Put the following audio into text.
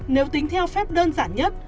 nếu tính theo phép đơn giản nhất